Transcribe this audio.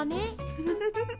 ウフフフ。